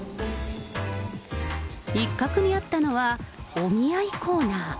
一角にあったのはお見合いコーナー。